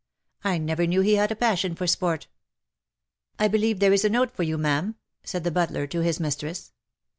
I never knew he had a passion for sport." " I believe there is a note for you, ma'am/' said the butler to his mistress.